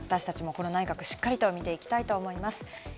私達もこの内閣をしっかりと見ていきたいと思います。